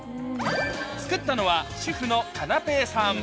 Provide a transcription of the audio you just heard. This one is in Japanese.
作ったのは主婦のかなぺいさん。